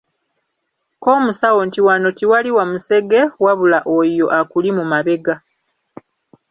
Ko Omusawo nti Wano tiwali Wamusege wabula oyo akuli mu mabega.